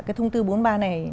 cái thông tư bốn mươi ba này